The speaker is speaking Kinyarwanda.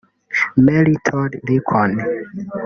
Mary Todd Lincoln